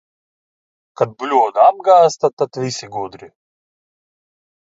Kad bļoda apgāzta, tad visi gudri.